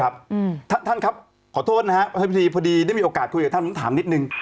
ครับท่านครับขอโทษนะครับพอดีได้มีโอกาสคุยกับท่านผมถามนิดนึง